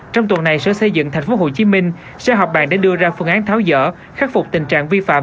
trong tuần này sở xây dựng tp hcm sẽ họp bàn để đưa ra phương án tháo dỡ khắc phục tình trạng vi phạm